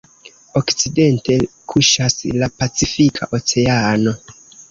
Okcidente kuŝas la Pacifika Oceano.